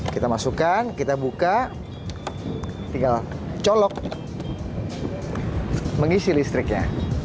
kita masukkan kita buka tinggal colok mengisi listriknya